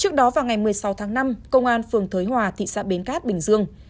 trước đó vào ngày một mươi sáu tháng năm công an phường thới hòa thị xã bến cát bình dương